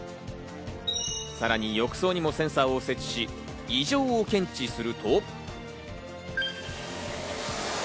さらに浴槽にもセンサーを設置し、異常を検知すると。